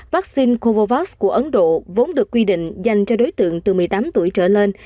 vắc xin covovac của ấn độ vốn được quy định dành cho đối tượng từ một mươi tám tuổi trở lên